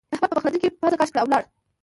احمد په پخلنځ کې پزه کش کړه او ولاړ.